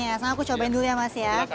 sekarang aku coba dulu ya mas ya